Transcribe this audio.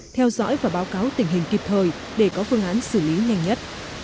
theo dõi và báo cáo tình hình kịp thời để có phương án xử lý nhanh nhất